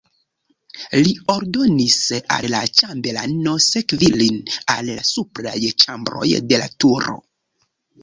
Li ordonis al la ĉambelano sekvi lin al la supraj ĉambroj de la turo.